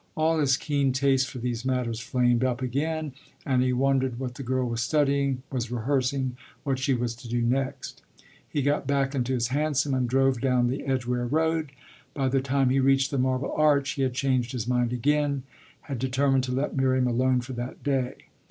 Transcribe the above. All his keen taste for these matters flamed up again, and he wondered what the girl was studying, was rehearsing, what she was to do next. He got back into his hansom and drove down the Edgware Road. By the time he reached the Marble Arch he had changed his mind again, had determined to let Miriam alone for that day.